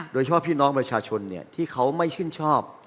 โดยเฉพาะพี่น้องประชาชนที่เขาไม่ชื่นชอบ